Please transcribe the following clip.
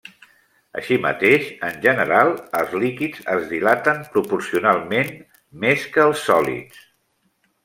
Així mateix, en general, els líquids es dilaten proporcionalment més que els sòlids.